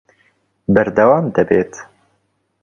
بەردەوام دەبێت